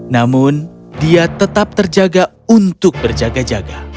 namun dia tetap terjaga untuk berjaga jaga